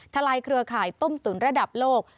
ลายเครือข่ายต้มตุ๋นระดับโลก